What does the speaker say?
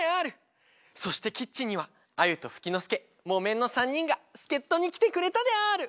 そしてキッチンにはアユとフキノスケモメンの３にんがすけっとにきてくれたである！